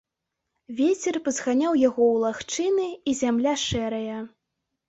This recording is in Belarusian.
Вецер пазганяў яго ў лагчыны, і зямля шэрая.